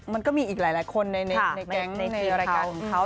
มันก็มีอีกหลายคนในแก๊งในรายการของเขา